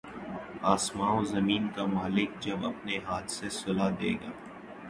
آسمان و زمین کا مالک جب اپنے ہاتھ سے صلہ دے گا